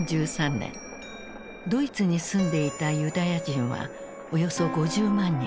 ドイツに住んでいたユダヤ人はおよそ５０万人。